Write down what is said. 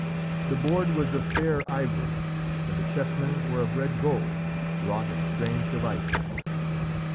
The board was of fair ivory, and the chessmen were of red gold, wrought in strange devices.